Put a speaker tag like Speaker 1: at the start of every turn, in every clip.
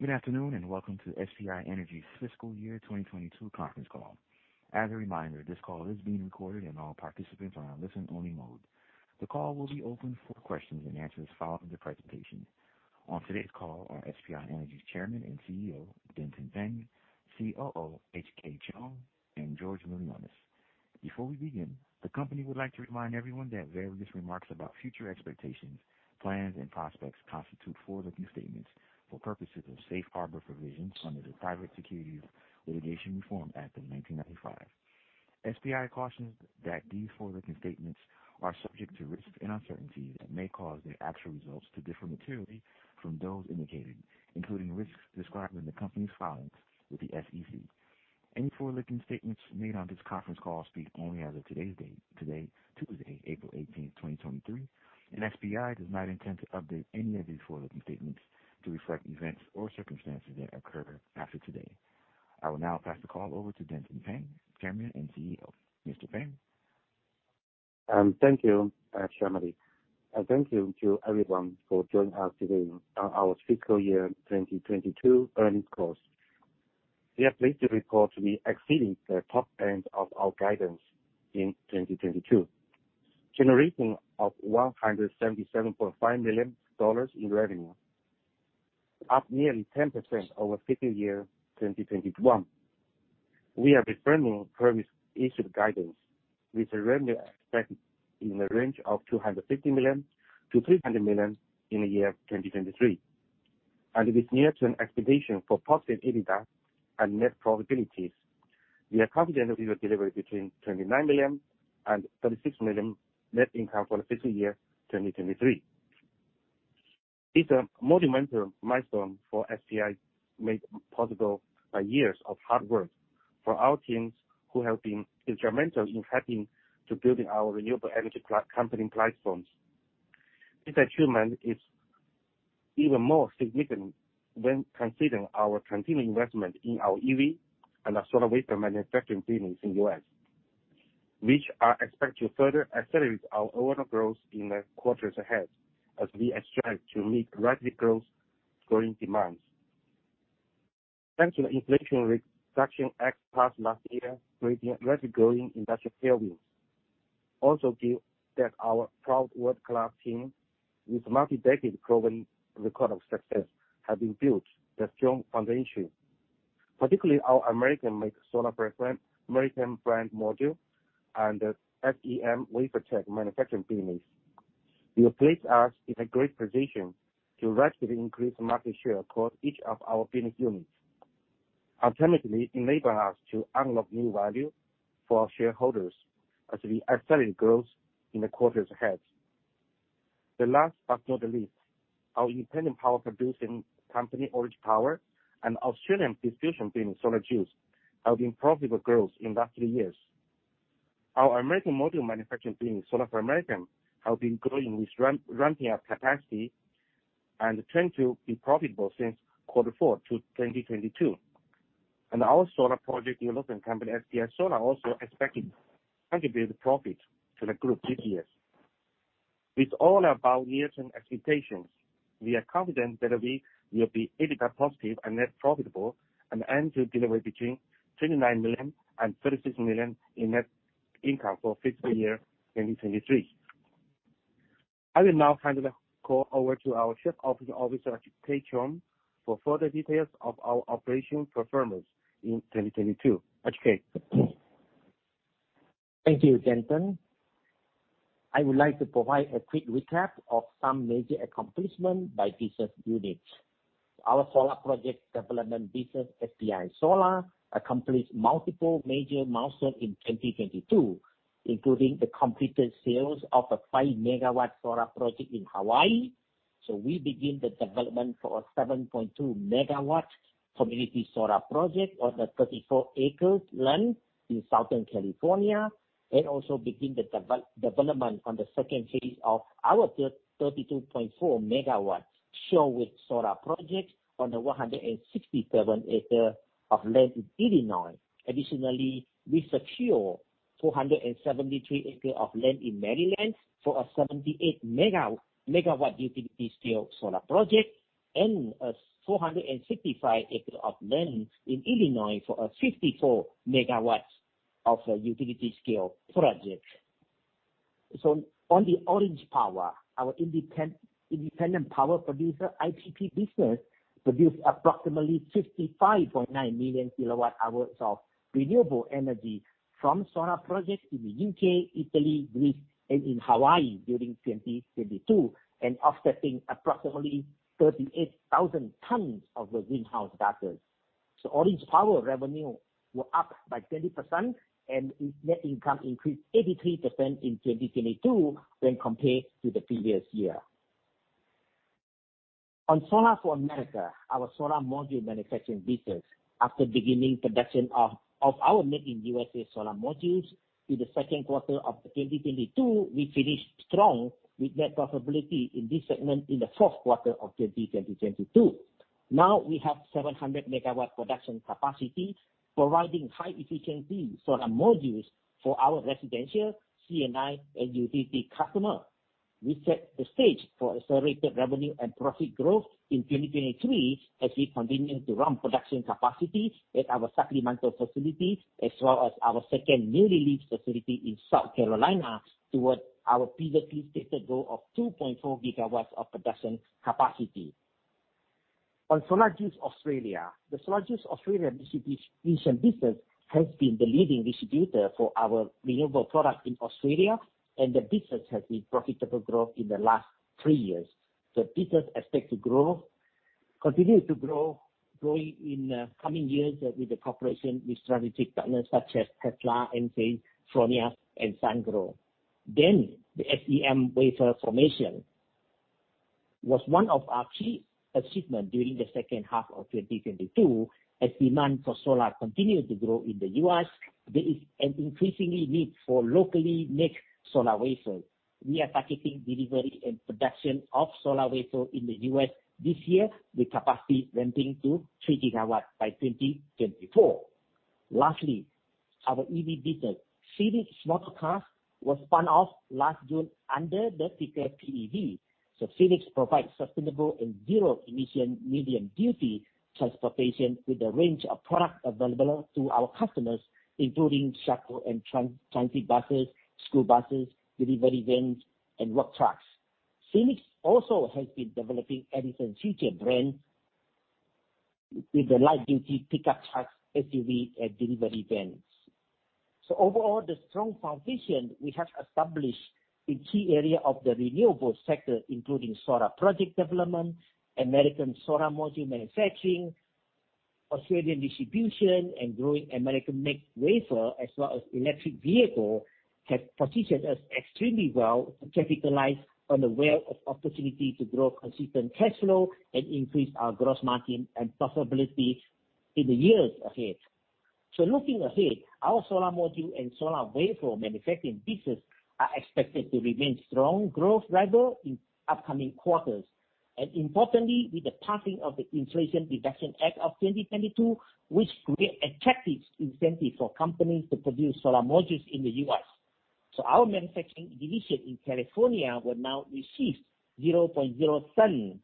Speaker 1: Good afternoon, welcome to SPI Energy Fiscal Year 2022 conference call. As a reminder, this call is being recorded and all participants are on listen only mode. The call will be open for questions and answers following the presentation. On today's call are SPI Energy's Chairman and CEO, Denton Peng, COO HK Cheong, and George Milionis. Before we begin, the company would like to remind everyone that various remarks about future expectations, plans and prospects constitute forward-looking statements for purposes of safe harbor provisions under the Private Securities Litigation Reform Act of 1995. SPI cautions that these forward-looking statements are subject to risks and uncertainties and may cause their actual results to differ materially from those indicated, including risks described in the company's filings with the SEC. Any forward-looking statements made on this conference call speak only as of today's date, today, Tuesday, 18th April 2023. SPI does not intend to update any of these forward-looking statements to reflect events or circumstances that occur after today. I will now pass the call over to Denton Peng, Chairman and CEO. Mr. Peng?
Speaker 2: Thank you, Chairman, thank you to everyone for joining us today on our fiscal year 2022 earnings course. We are pleased to report we exceeded the top end of our guidance in 2022, generating of $177.5 million in revenue, up nearly 10% over fiscal year 2021. We are confirming previous issued guidance with a revenue expected in the range of $250 million-$300 million in the year 2023. With near-term expectation for positive EBITDA and net probabilities, we are confident that we will deliver between $29 million and $36 million net income for the fiscal year 2023. It's a monumental milestone for SPI, made possible by years of hard work for our teams who have been instrumental in helping to building our renewable energy company platforms. This achievement is even more significant when considering our continued investment in our EV and our solar wafer manufacturing business in U.S. which are expected to further accelerate our overall growth in the quarters ahead as we strive to meet rapid growth, growing demands. Thanks to the Inflation Reduction Act passed last year, creating rapid growing industrial tailwinds. Due that our proud world-class team with multi-decade proven record of success have been built the strong foundation. Our American make solar brand, American brand module and the SEM WaferTech manufacturing business will place us in a great position to rapidly increase market share across each of our business units, ultimately enable us to unlock new value for our shareholders as we accelerate growth in the quarters ahead. The last but not the least, our independent power producing company, Orange Power, and Australian distribution business, SolarJuice, have been profitable growth in the last three years. Our American module manufacturing business, Solar4America, have been growing with ramping up capacity and tend to be profitable since quarter four to 2022. Our solar project development company, SPI Solar, also expecting to contribute profit to the group this year. With all our about year-end expectations, we are confident that we will be EBITDA positive and net profitable and aim to deliver between $29 million and $36 million in net income for fiscal year 2023. I will now hand the call over to our Chief Operating Officer, HK Cheung, for further details of our operation performance in 2022. HK?
Speaker 3: Thank you, Denton. I would like to provide a quick recap of some major accomplishment by business units. Our solar project development business, SPI Solar, accomplished multiple major milestone in 2022, including the completed sales of a 5MW solar project in Hawaii. We begin the development for a 7.2 MW community solar project on the 34 acres land in Southern California, and also begin the development on the second phase of our 32.4 MW share with solar projects on the 167 acre of land in Illinois. Additionally, we secure 273 acres of land in Maryland for a 78 MW utility scale solar project and a 465 acres of land in Illinois for a 54 MW of a utility scale project. On the Orange Power, our independent power producer, IPP business, produced approximately 65.9 million kWh of renewable energy from solar projects in the U.K. Italy, Greece, and in Hawaii during 2022 and offsetting approximately 38,000 tons of the greenhouse gases. Orange Power revenue were up by 20% and its net income increased 83% in 2022 when compared to the previous year. On Solar4America, our solar module manufacturing business, after beginning production of our made in U.S.A solar modules in the second quarter of 2022, we finished strong with net profitability in this segment in the fourth quarter of 2022. Now we have 700 MW production capacity, providing high efficiency solar modules for our residential C&I and UTC customer. We set the stage for accelerated revenue and profit growth in 2023 as we continue to ramp production capacity at our Sacramento facility, as well as our second newly leased facility in South Carolina towards our previously stated goal of 2.4 GW of production capacity. The SolarJuice Australia distribution business has been the leading distributor for our renewable products in Australia, and the business has been profitable growth in the last years. The business expects to continue to grow, growing in coming years with the cooperation with strategic partners such as Tesla, Enphase, Fronius, and Sungrow. The SEM wafer formation was one of our key achievement during the second half of 2022. As demand for solar continued to grow in the U.S., there is an increasingly need for locally made solar wafers. We are targeting delivery and production of solar wafers in the U.S. this year, with capacity ramping to 3GW by 2024. Lastly, our EV business. Phoenix Motorcars was spun off last June under the ticker PEV. Phoenix provides sustainable and zero-emission medium-duty transportation with a range of products available to our customers, including shuttle and transit buses, school buses, delivery vans, and work trucks. Phoenix also has been developing EdisonFuture brands with the light-duty pickup trucks, SUV, and delivery vans. Overall, the strong foundation we have established in key areas of the renewable sector, including solar project development, American solar module manufacturing, Australian distribution, and growing American-made wafers, as well as electric vehicles, have positioned us extremely well to capitalize on the wealth of opportunity to grow consistent cash flow and increase our gross margin and profitability in the years ahead. Looking ahead, our solar module and solar wafer manufacturing business are expected to remain strong growth drivers in upcoming quarters and importantly, with the passing of the Inflation Reduction Act of 2022, which create attractive incentives for companies to produce solar modules in the U.S. Our manufacturing division in California will now receive $0.07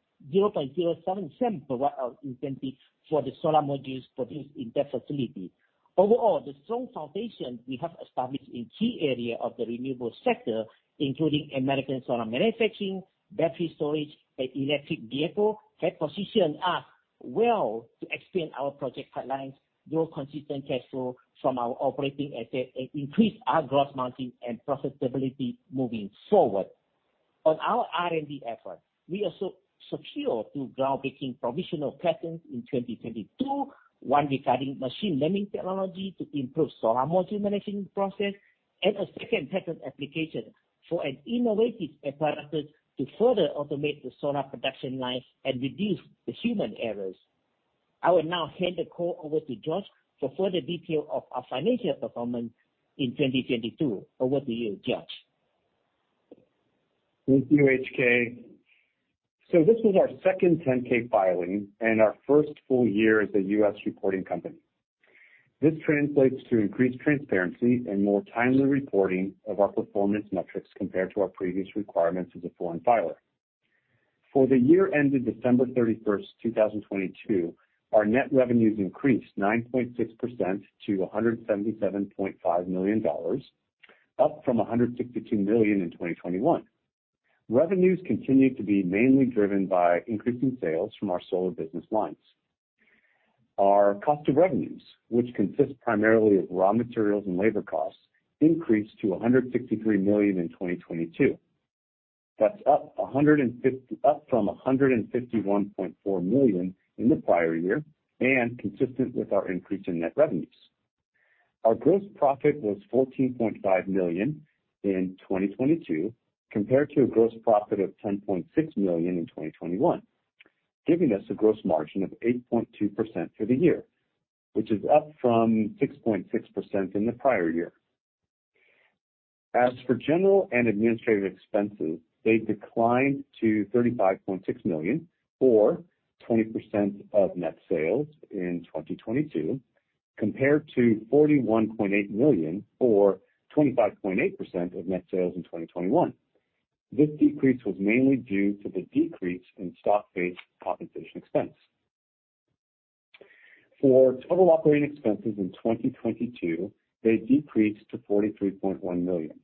Speaker 3: per watt of incentive for the solar modules produced in that facility. Overall, the strong foundation we have established in key areas of the renewable sector, including American solar manufacturing, battery storage, and electric vehicles, have positioned us well to expand our project pipelines, grow consistent cash flow from our operating assets, and increase our gross margin and profitability moving forward. On our R&D efforts, we also secured 2 groundbreaking provisional patents in 2022. One regarding machine learning technology to improve solar module manufacturing process, and a second patent application for an innovative apparatus to further automate the solar production lines and reduce the human errors. I will now hand the call over to George for further detail of our financial performance in 2022. Over to you, George.
Speaker 4: Thank you, HK. This was our second 10-K filing and our first full year as a U.S. reporting company. This translates to increased transparency and more timely reporting of our performance metrics compared to our previous requirements as a foreign filer. For the year ended 31st December 2022, our net revenues increased 9.6% to $177.5 million, up from $162 million in 2021. Revenues continued to be mainly driven by increasing sales from our solar business lines. Our cost of revenues, which consist primarily of raw materials and labor costs, increased to $163 million in 2022. That's up from $151.4 million in the prior year and consistent with our increase in net revenues. Our gross profit was $14.5 million in 2022, compared to a gross profit of $10.6 million in 2021, giving us a gross margin of 8.2% for the year, which is up from 6.6% in the prior year. As for general and administrative expenses, they declined to $35.6 million, or 20% of net sales in 2022, compared to $41.8 million, or 25.8% of net sales in 2021. This decrease was mainly due to the decrease in stock-based compensation expense. For total operating expenses in 2022, they decreased to $43.1 million,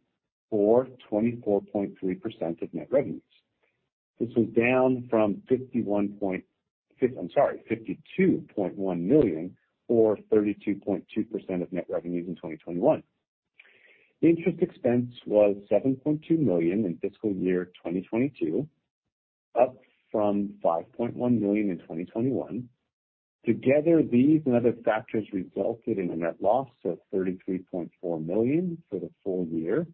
Speaker 4: or 24.3% of net revenues. This was down from I'm sorry, $52.1 million or 32.2% of net revenues in 2021. Interest expense was $7.2 million in fiscal year 2022, up from $5.1 million in 2021. Together, these and other factors resulted in a net loss of $33.4 million for the full year,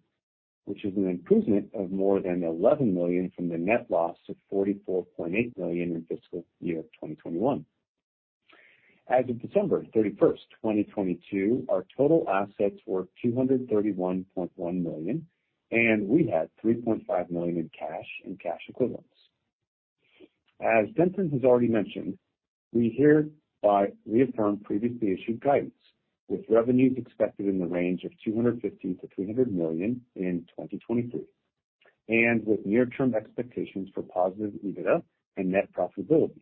Speaker 4: which is an improvement of more than $11 million from the net loss of $44.8 million in fiscal year 2021. As of 31st December 2022, our total assets were $231.1 million, and we had $3.5 million in cash and cash equivalents. As Denton has already mentioned, we hereby reaffirm previously issued guidance with revenues expected in the range of $250 million-$300 million in 2023. With near-term expectations for positive EBITDA and net profitability,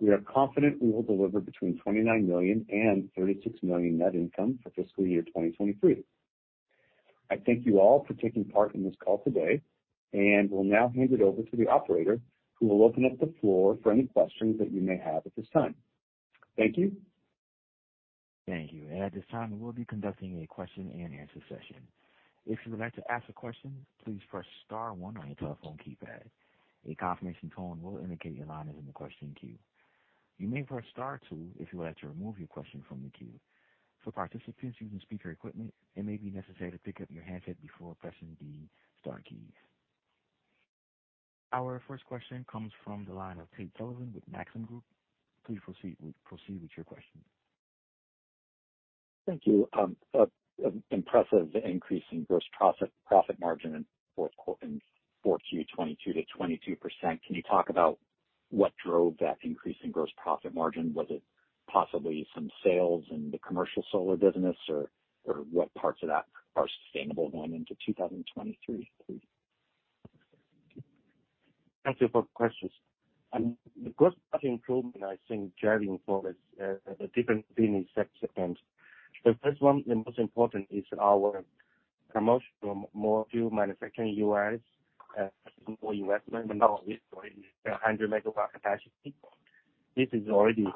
Speaker 4: we are confident we will deliver between $29 million and $36 million net income for fiscal year 2023. I thank you all for taking part in this call today, and will now hand it over to the operator, who will open up the floor for any questions that you may have at this time. Thank you.
Speaker 1: Thank you. At this time, we'll be conducting a question-and-answer session. If you would like to ask a question, please press star one on your telephone keypad. A confirmation tone will indicate your line is in the question queue. You may press star two if you would like to remove your question from the queue. For participants using speaker equipment, it may be necessary to pick up your handset before pressing the star keys. Our first question comes from the line of Tate Sullivan with Maxim Group. Please proceed with your question.
Speaker 5: Thank you. Impressive increase in gross profit margin in fourth quarter in 4Q 2022 to 22%. Can you talk about what drove that increase in gross profit margin? Was it possibly some sales in the commercial solar business or what parts of that are sustainable going into 2023?
Speaker 2: Thank you for the questions. The gross profit improvement, I think Jerry informed is a different business segments. The first one, the most important is our commercial module manufacturing in U.S. Simple investment, but now we're going 100MW capacity. This is already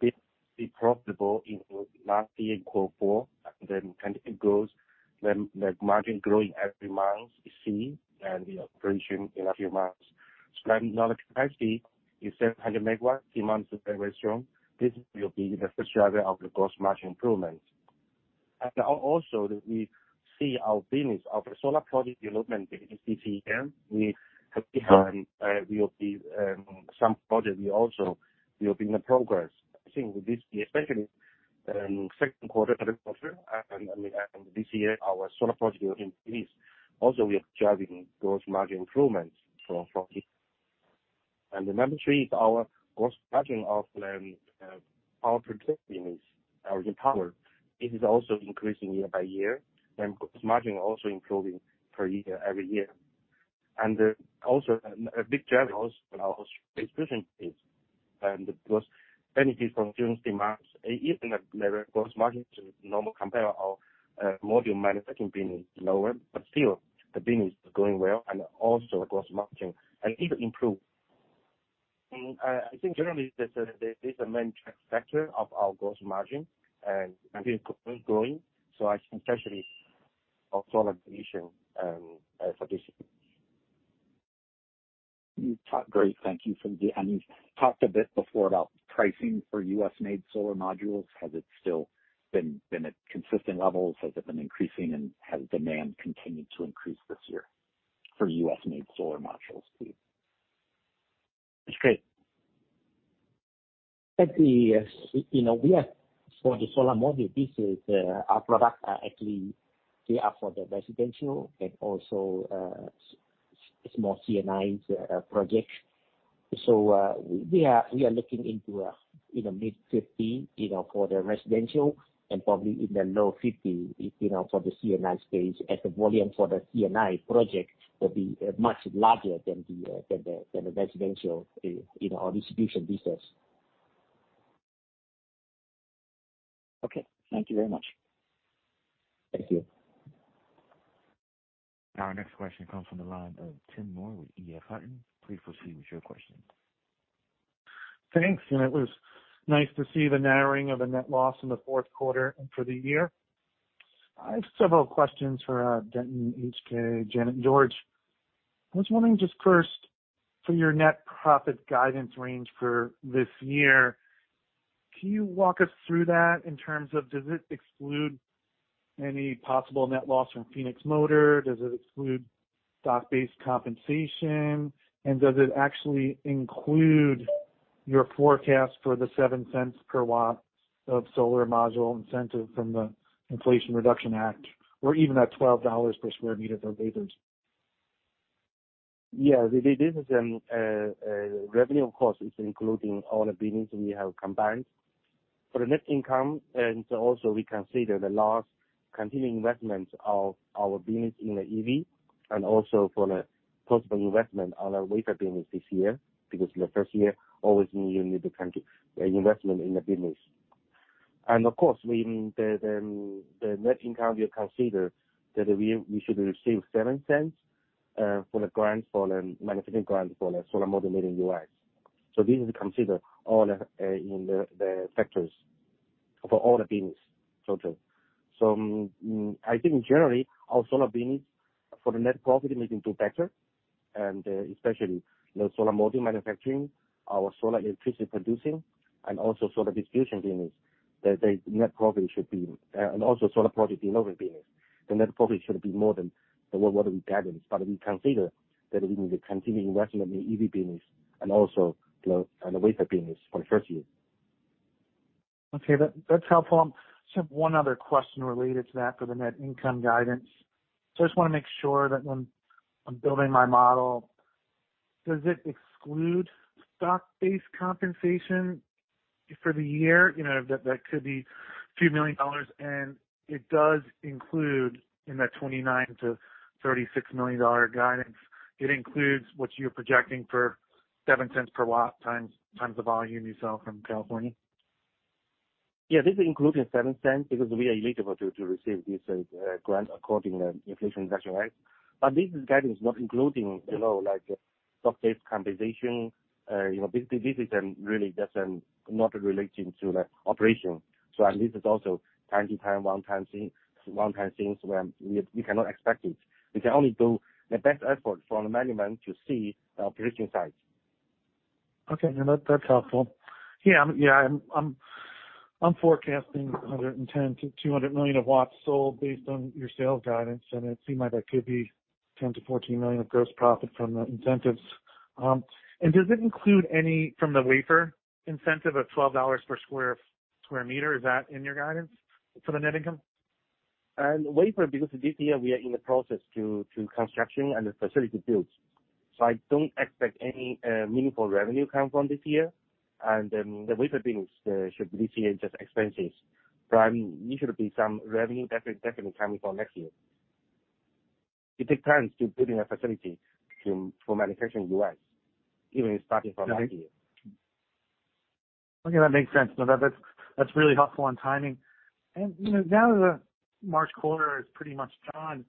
Speaker 2: be profitable in last year quarter four. Then it goes then the margin growing every month, you see, and the operation in a few months. Now the capacity is 700MW.Demand is very strong. This will be the first driver of the gross margin improvement. Also we see our business, our solar project development business, CCE. We have behind, we will be some project we also will be in the progress, I think this year, especially in second quarter, third quarter. This year our solar project increase. Also, we are driving gross margin improvements from it. The number three is our gross margin of our project business, our power, it is also increasing year by year, and gross margin also improving per year every year. Also a big driver also our distribution is. Because benefit from June's demands, even the gross margin to normal compare our modul manufacturing business is lower, but still the business is going well and also gross margin a little improved. I think generally these are the main track factor of our gross margin and it continues growing. I think especially our solar division for this.
Speaker 5: You talked great. You talked a bit before about pricing for U.S. made solar modules. Has it still been at consistent levels? Has it been increasing and has demand continued to increase this year for U.S.-made solar modules too?
Speaker 2: That's great. Actually, you know, we are for the solar module, this is our product. Actually, they are for the residential and also small C&Is project. We are looking into, you know, mid-50, you know, for the residential and probably in the low 50, you know, for the C&I space. The volume for the C&I project will be much larger than the residential, you know, our distribution business.
Speaker 5: Okay. Thank you very much.
Speaker 2: Thank you.
Speaker 1: Our next question comes from the line of Tim Moore with EF Hutton. Please proceed with your question.
Speaker 6: Thanks. It was nice to see the narrowing of the net loss in the fourth quarter and for the year. I have several questions for Denton, HK, Janet, George. I was wondering just first for your net profit guidance range for this year, can you walk us through that in terms of does it exclude any possible net loss from Phoenix Motor? Does it exclude stock-based compensation? Does it actually include your forecast for the $0.07 per watt of solar module incentive from the Inflation Reduction Act or even at $12 per square meter for wafers?
Speaker 2: The business and revenue, of course, is including all the business we have combined. For the net income and also we consider the last continuing investment of our business in the EV and also for the possible investment on our wafer business this year, because the first year always you need to continue the investment in the business. Of course, the net income you consider that we should receive $0.07 for the grants for manufacturing grants for the solar module made in U.S. This is considered all in the factors for all the business total. I think generally our solar business for the net profit margin do better and especially the solar module manufacturing, our solar electricity producing and also solar distribution business that the net profit should be and also solar project development business. The net profit should be more than what we guidance. We consider that we need to continue investing in the EV business and also the wafer business for the first year.
Speaker 6: Okay. That's helpful. I just want to make sure that when I'm building my model, does it exclude stock-based compensation for the year? You know, that could be a few million dollars, and it does include in that $29 million-$36 million guidance. It includes what you're projecting for $0.07 per watt times the volume you sell from California.
Speaker 2: Yeah, this includes the $0.07 because we are eligible to receive this grant according to the Inflation Reduction Act. This guidance not including, you know, like stock-based compensation, you know, this is really just not relating to the operation. This is also time to time, one time things when we cannot expect it. We can only do the best effort from the management to see the operation side.
Speaker 6: Okay. No, that's helpful. Yeah. Yeah. I'm forecasting 110 to 200 million watts sold based on your sales guidance, and it seemed like that could be $10 million-$14 million of gross profit from the incentives. Does it include any from the wafer incentive of $12 per m2? Is that in your guidance for the net income?
Speaker 2: Wafer, because this year we are in the process to construction and the facility builds. I don't expect any meaningful revenue come from this year. The wafer business should this year just expenses. It should be some revenue definitely coming from next year. It takes time to building a facility to, for manufacturing in U.S., even starting from next year.
Speaker 6: Okay, that makes sense. No, that's really helpful on timing. You know, now the March quarter is pretty much done.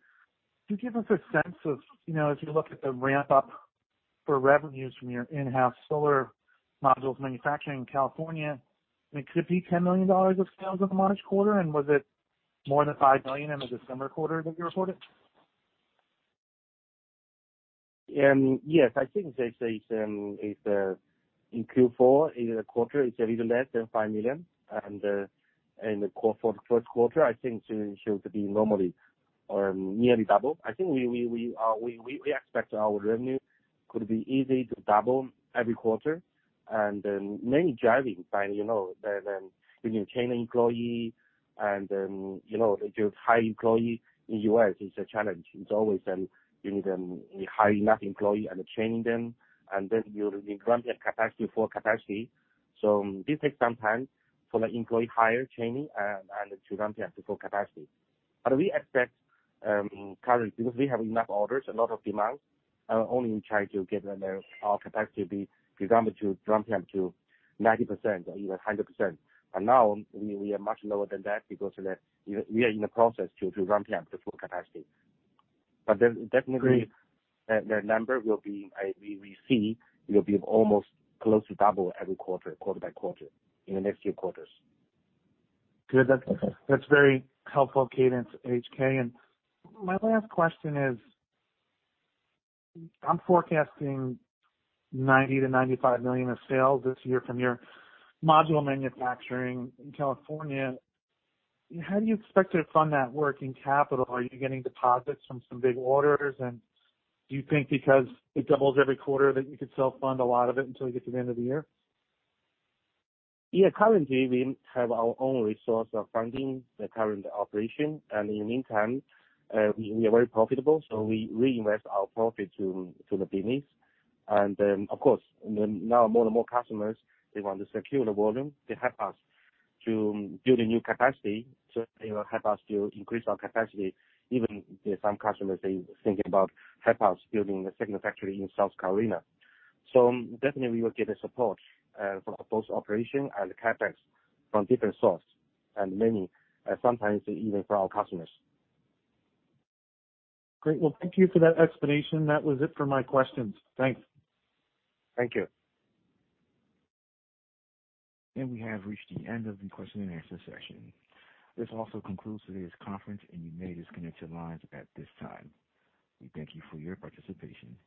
Speaker 6: Can you give us a sense of, you know, as you look at the ramp up for revenues from your in-house solar modules manufacturing in California, I mean, could it be $10 million of sales in the March quarter? Was it more than $5 million in the December quarter that you reported?
Speaker 2: Yes. I think since it's in Q4, in the quarter, it's a little less than $5 million. In the quarter, first quarter, I think should be normally or nearly double. I think we expect our revenue could be easy to double every quarter. Mainly driving by, you know, the new training employee and you to hire employee in US is a challenge. It's always, you need, you hire enough employee and training them, and then you ramp up capacity, full capacity. This takes some time for the employee hire, training, and to ramp up to full capacity. We expect, currently, because we have enough orders, a lot of demands, only we try to get our capacity ramped up to 90% or even 100%. Now we are much lower than that because we are in the process to ramp up to full capacity.
Speaker 6: Great.
Speaker 2: The number will be, we see will be almost close to double every quarter by quarter in the next few quarters.
Speaker 6: Good. That's
Speaker 2: Okay.
Speaker 6: That's very helpful guidance, HK. My last question is, I'm forecasting $90 million-$95 million of sales this year from your module manufacturing in California. How do you expect to fund that working capital? Are you getting deposits from some big orders? Do you think because it doubles every quarter that you could self-fund a lot of it until we get to the end of the year?
Speaker 2: Yeah, currently, we have our own resource of funding the current operation. In the meantime, we are very profitable, so we reinvest our profit to the business. Of course, now more and more customers, they want to secure the volume. They help us to build a new capacity to, you know, help us to increase our capacity. Even there are some customers they think about help us building a second factory in South Carolina. Definitely we will get the support for both operation and CapEx from different source and many, sometimes even for our customers.
Speaker 6: Great. Well, thank you for that explanation. That was it for my questions. Thanks.
Speaker 2: Thank you.
Speaker 1: We have reached the end of the question and answer session. This also concludes today's conference, and you may disconnect your lines at this time. We thank you for your participation.